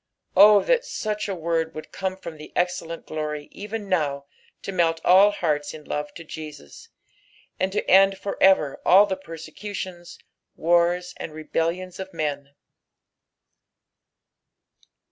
O that such a word would come from the excellent glory even now to melt all hearts in love to Jesus, and to end for ever alt the persecutions, wars, and rebellions of men